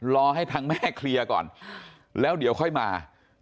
รอให้ทางแม่เคลียร์ก่อนแล้วเดี๋ยวค่อยมา